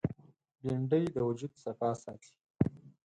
بېنډۍ د وجود صفا ساتي